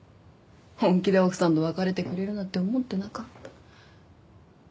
本気で奥さんと別れてくれるなんて思ってなかった。